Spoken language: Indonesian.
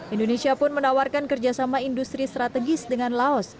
indonesia pun menawarkan kerjasama industri strategis dengan laos